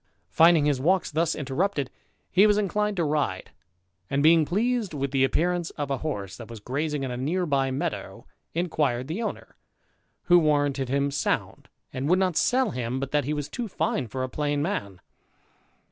Finding his walks thus interrupted, he was inclined to ride, and, being pleased with the appearance of a horse that was grazing in a neighbouring meadow, inquired the owner ; who warranted him sound, and would not sell him but that he was too fine for a plain man.